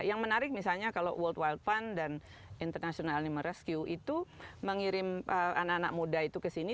yang menarik misalnya kalau world wild fund dan international animal rescue itu mengirim anak anak muda itu ke sini